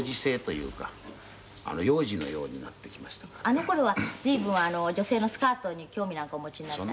あの頃は随分女性のスカートに興味なんかお持ちになられたり？